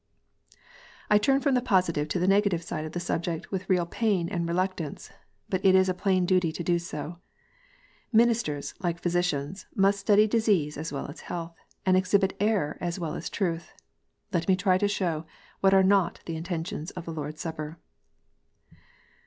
I turn from the positive to the negative side of the subject with real pain and reluctance. But it is plain duty to do so. Ministers, like physicians, must study disease as well as health, and exhibit error as well as truth. Let me then try to show what are not the intentions of the Lord s Supper.